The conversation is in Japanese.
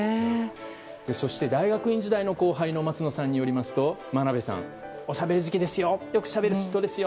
そして大学院時代の後輩の松野さんによりますと真鍋さん、おしゃべり好きですよよくしゃべりますよ